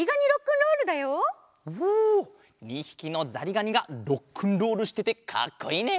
２ひきのざりがにがロックンロールしててかっこいいね！